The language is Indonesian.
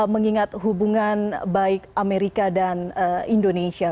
mengingat hubungan baik amerika dan indonesia